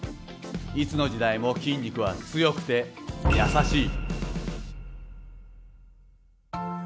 いつの時代も筋肉は強くて優しい。